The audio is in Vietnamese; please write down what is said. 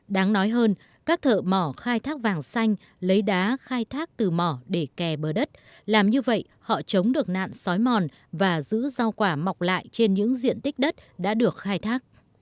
đáng nói hơn các thợ mỏ khai thác vàng xanh lấy đá khai thác từ mỏ để kè bờ đất làm như vậy họ chống được nạn xói mòn và giữ rau quả mọc lại trên những diện tích đất đã được khai thác